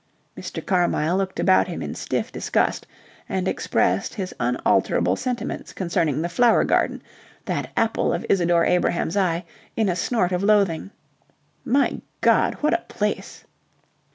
Mr. Carmyle looked about him in stiff disgust, and expressed his unalterable sentiments concerning the Flower Garden, that apple of Isadore Abrahams' eye, in a snort of loathing. "My God! What a place!"